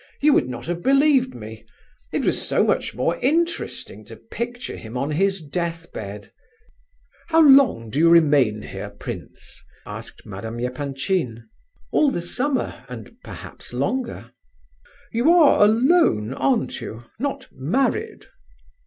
You would not have believed me; it was so much more interesting to picture him on his death bed." "How long do you remain here, prince?" asked Madame Epanchin. "All the summer, and perhaps longer." "You are alone, aren't you,—not married?"